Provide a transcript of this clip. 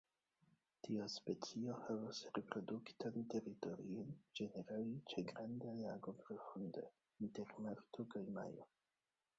Tiu specio havas reproduktan teritorion, ĝenerale ĉe granda lago profunda, inter marto kaj majo.